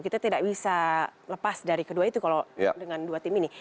kita tidak bisa lepas dari kedua itu kalau dengan barcelona